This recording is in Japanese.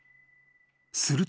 ［すると］